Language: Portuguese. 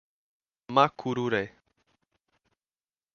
Macururé